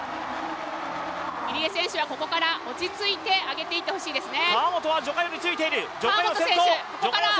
入江選手はここから落ち着いて上げていってほしいですね。